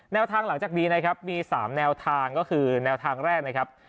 ทางหลังจากนี้นะครับมี๓แนวทางก็คือแนวทางแรกนะครับ